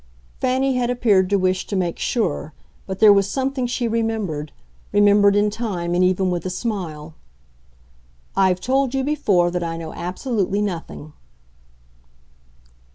Fanny had appeared to wish to make sure, but there was something she remembered remembered in time and even with a smile. "I've told you before that I know absolutely nothing."